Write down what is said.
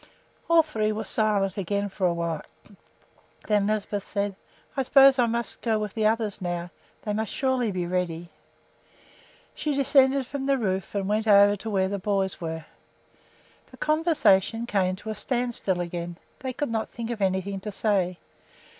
All three were silent again for a while. Then Lisbeth said: "I suppose I must go with the others now. They surely must be ready." She descended from the roof and went over to where the boys were. The conversation came to a standstill again; they could not think of anything to say.